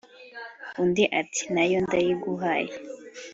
" Undi ati "Na yo ndayiguhaye